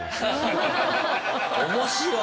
面白い。